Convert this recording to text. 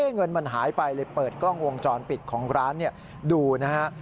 เงินมันหายไปเลยเปิดกล้องวงจรปิดของร้านดูนะฮะ